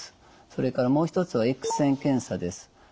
それからもう一つはＸ線検査です。